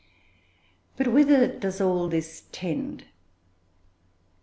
But whither does all this tend?